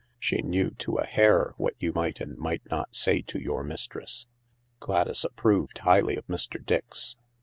She knew to a hair what you might and might not say to your mistress. Gladys approved highly of Mr. Dix.